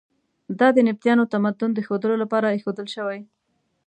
دا د نبطیانو تمدن د ښودلو لپاره ایښودل شوي.